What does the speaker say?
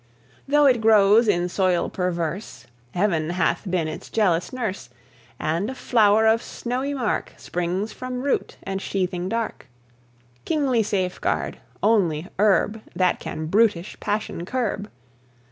Though it grows in soil perverse, Heaven hath been its jealous nurse, And a flower of snowy mark Springs from root and sheathing dark; Kingly safeguard, only herb That can brutish passion curb!